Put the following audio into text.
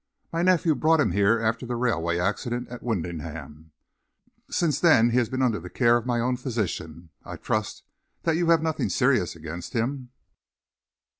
My nephew brought him here after the railway accident at Wymondham, since when he has been under the care of my own physician. I trust that you have nothing serious against him?"